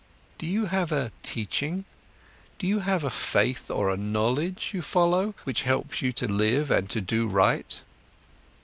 Do you have a teaching? Do you have a faith or a knowledge you follow, which helps you to live and to do right?"